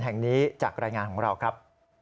แห่งนี้จากรายงานของเราครับ